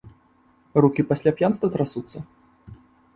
Рукі пасля п'янства трасуцца?